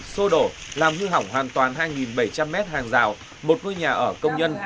xô đổ làm hư hỏng hoàn toàn hai bảy trăm linh m hàng rào một ngôi nhà ở công nhân